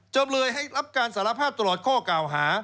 จำเลยให้รับการสารภาพตลอดข้อกล่าวหา